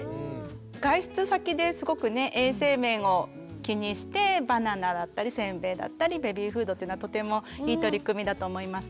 外出先ですごくね衛生面を気にしてバナナだったりせんべいだったりベビーフードっていうのはとてもいい取り組みだと思いますね。